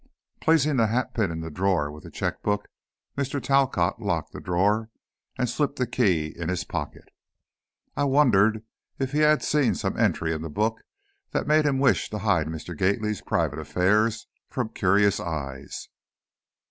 Placing the hatpin in the drawer with the checkbook, Mr. Talcott locked the drawer and slipped the key in his pocket. I wondered if he had seen some entry in the book that made him wish to hide Mr. Gately's private affairs from curious eyes.